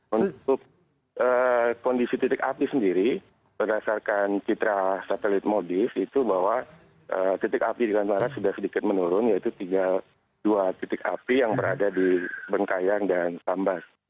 untuk kondisi titik api sendiri berdasarkan citra satelit modis itu bahwa titik api dengan barat sudah sedikit menurun yaitu tinggal dua titik api yang berada di bengkayang dan sambas